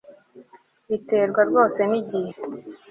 Biterwa rwose nigihe